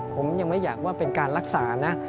ผมยังไม่อยากว่าเป็นการรักษานะ